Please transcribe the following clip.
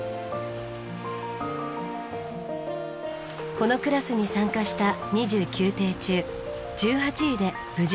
このクラスに参加した２９艇中１８位で無事完走を果たしました。